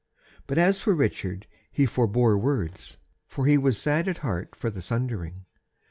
But as for Richard he forebore words, for he was sad at heart for the sundering.